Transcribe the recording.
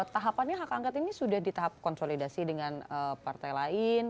tahapannya hak angket ini sudah di tahap konsolidasi dengan partai lain